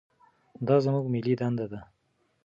دا زموږ ملي دنده ده.